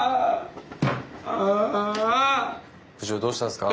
部長どうしたんですか？